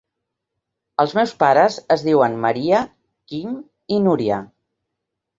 Els meus pares es diuen Maria, Quim i Núria.